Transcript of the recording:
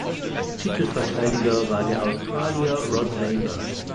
Titelverteidiger war der Australier Rod Laver.